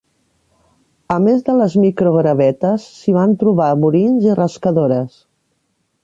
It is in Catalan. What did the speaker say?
A més de les microgravetes, s'hi van trobar burins i rascadores.